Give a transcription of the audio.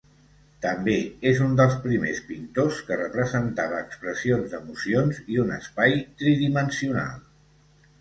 També és un dels primers pintors que representava expressions d'emocions i un espai tridimensional.